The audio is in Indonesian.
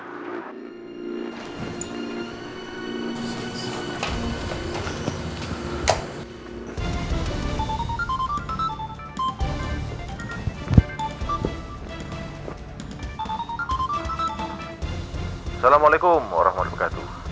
assalamualaikum warahmatullahi wabarakatuh